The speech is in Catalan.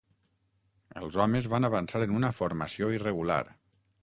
Els homes van avançar en una formació irregular.